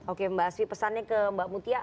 oke mbak asfi pesannya ke mbak mutia